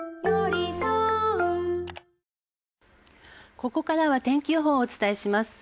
ここからは天気予報をお伝えします。